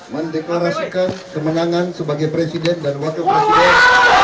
mendeklarasikan kemenangan sebagai presiden dan wakil presiden